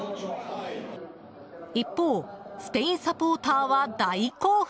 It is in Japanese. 一方、スペインサポーターは大興奮。